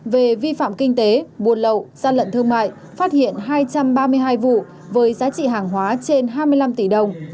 về vi phạm kinh tế buồn lậu gian lận thương mại phát hiện hai trăm ba mươi hai vụ với giá trị hàng hóa trên hai mươi năm tỷ đồng